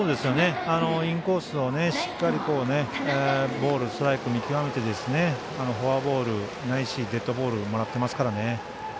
インコースをしっかりボール、ストライク見極めてフォアボールないしデッドボールもらってますからね。